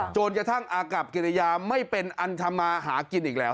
จนกระทั่งอากับกิริยาไม่เป็นอันทำมาหากินอีกแล้ว